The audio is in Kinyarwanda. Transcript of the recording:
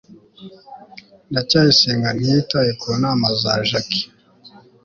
ndacyayisenga ntiyitaye ku nama za jaki